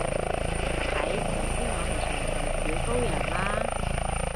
一睇就知我係純情小羔羊啦？